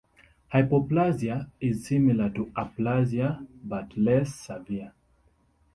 Hypoplasia is similar to aplasia, but less severe.